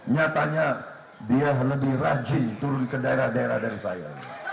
nyatanya dia lebih rajin turun ke daerah daerah dari saya